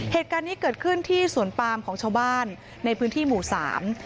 เหตุการณ์นี้เกิดขึ้นที่สวนปามของชาวบ้านในพื้นที่หมู่สาม